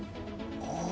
ああ。